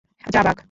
যা, ভাগ!